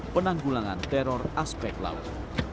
penanggulangan teror aspek laut